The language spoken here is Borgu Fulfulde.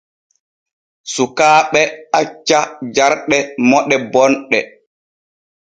Sukaaɓe acca jarɗe moɗe bonɗe.